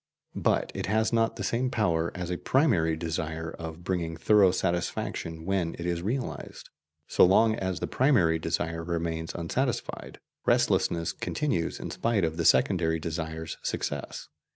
But it has not the same power as a primary desire of bringing thorough satisfaction when it is realized; so long as the primary desire remains unsatisfied, restlessness continues in spite of the secondary desire's success.